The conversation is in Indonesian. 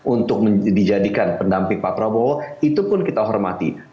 untuk dijadikan pendamping pak prabowo itu pun kita hormati